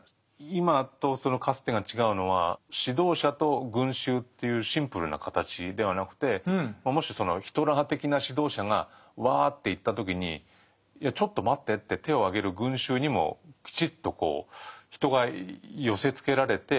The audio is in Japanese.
今とそのかつてが違うのは指導者と群衆というシンプルな形ではなくてもしそのヒトラー的な指導者がワーッていった時に「いやちょっと待って」って手をあげる群衆にもきちっと人が寄せつけられて。